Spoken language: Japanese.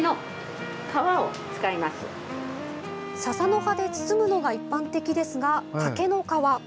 ささの葉で包むのが一般的ですが、竹の皮。